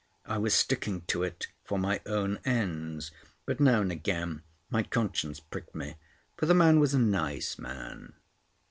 I was sticking to it for my own ends, but now and again my conscience pricked me; for the man was a nice man.